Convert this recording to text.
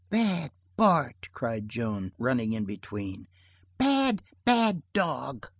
"Bad Bart!" cried Joan, running in between. "Bad, bad dog!"